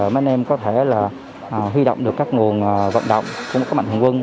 mấy anh em có thể là huy động được các nguồn vận động trong các mạng hành quân